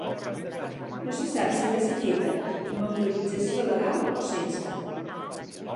No se sap si va ser feta amb autorització legal o sense.